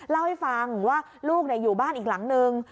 เล่าให้ฟังว่าลูกอยู่บ้านอีกหลังนึง